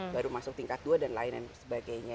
baru masuk tingkat dua dan lain lain sebagainya